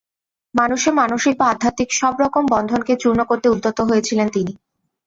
মানুষের মানসিক বা আধ্যাত্মিক সব রকম বন্ধনকে চূর্ণ করতে উদ্যত হয়েছিলেন তিনি।